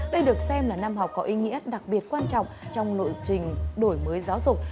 đây được xem là năm học có ý nghĩa đặc biệt quan trọng trong nội trình đổi mới giáo dục